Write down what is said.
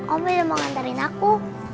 om mirza mau ngantarin aku